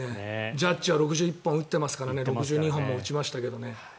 ジャッジは６１本打ってますからね６２本も打ちましたけどね。